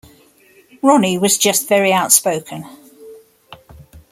Ronnie was just very outspoken.